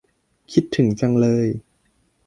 คิดถึงจังเลย